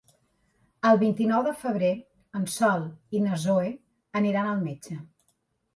El vint-i-nou de febrer en Sol i na Zoè aniran al metge.